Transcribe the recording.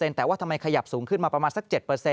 แต่ว่าทำไมขยับสูงขึ้นมาสัก๗